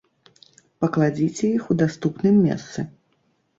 Пакладзіце іх у даступным месцы.